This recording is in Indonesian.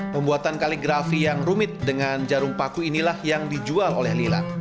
pembuatan kaligrafi yang rumit dengan jarum paku inilah yang dijual oleh lila